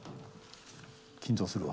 緊張するわ。